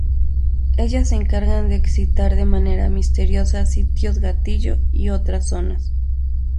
Ellas se encargan de excitar de manera misteriosa sitios gatillo, y otras zonas.